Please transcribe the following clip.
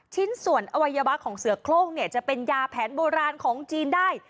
ชิ้นส่วนอวัยวะของเสือโครงเนี่ยจะเป็นยาแผนโบราณของจีนได้